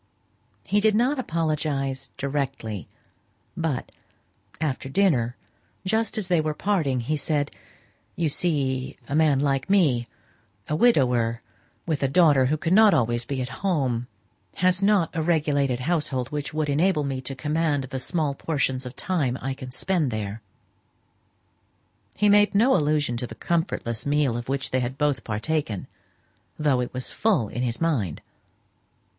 He did not apologize directly, but, after dinner, just as they were parting, he said, "You see a man like me a widower with a daughter who cannot always be at home has not the regulated household which would enable me to command the small portions of time I can spend there." He made no allusion to the comfortless meal of which they had both partaken, though it was full in his mind.